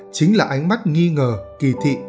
chính là ánh mắt nghi ngờ kỳ thị